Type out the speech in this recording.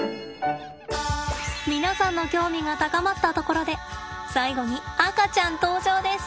皆さんの興味が高まったところで最後に赤ちゃん登場です。